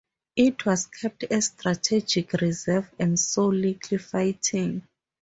It was kept as a strategic reserve and saw little fighting.